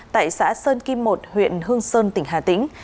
tại xã sơn kim một huyện hương sơn tỉnh hà tĩnh